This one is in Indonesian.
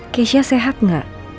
kesha sehat gak